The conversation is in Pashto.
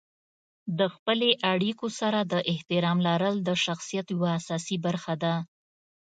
د خپلې اړیکو سره د احترام لرل د شخصیت یوه اساسي برخه ده.